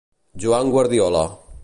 Joan Guardiola.